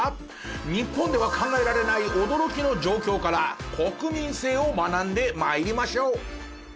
日本では考えられない驚きの状況から国民性を学んで参りましょう。